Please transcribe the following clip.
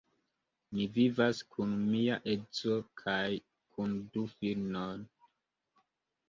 Mi vivas kun mia edzo kaj kun du filinoj.